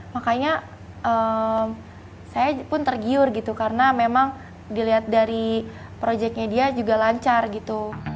makanya saya pun tergiur gitu karena memang dilihat dari proyeknya dia juga lancar gitu